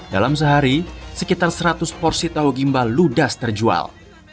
dalam sehari sekitar seratus porsi tahu gimbal ludas terjual